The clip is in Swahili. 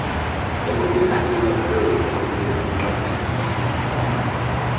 Yapo pia makabila madogo kama vile Wamahanji Wakisi na Wamanda